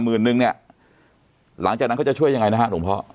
นึงเนี่ยหลังจากนั้นเขาจะช่วยยังไงนะฮะหลวงพ่อ